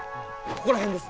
ここら辺です！